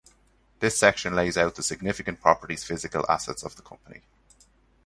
This section lays out the significant properties, physical assets, of the company.